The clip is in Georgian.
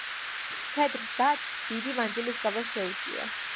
თეთრ დათვს დიდი მანძილის გავლა შეუძლია.